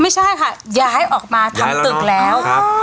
ไม่ใช่ค่ะย้ายออกมาทำตึกแล้ว